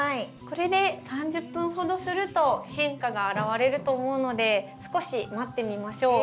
これで３０分ほどすると変化が表れると思うので少し待ってみましょう。